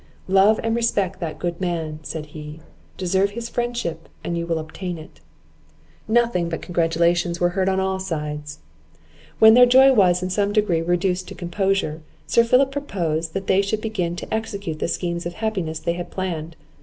"Love and respect that good man," said he; "deserve his friendship, and you will obtain it." Nothing but congratulations were heard on all sides. When their joy was in some degree reduced to composure, Sir Philip proposed that they should begin to execute the schemes of happiness they had planned.